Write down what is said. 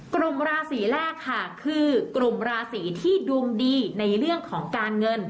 กลุ่มราศีแรกค่ะคือกลุ่มราศีที่ดวงดีในเรื่องของการเงิน